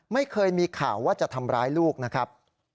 ไม่เคยมีข่าวว่าจะทำร้ายลูกนะครับ